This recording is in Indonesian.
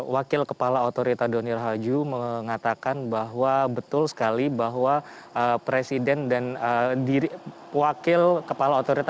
wakil kepala otorita doni rahaju mengatakan bahwa betul sekali bahwa presiden dan wakil kepala otorita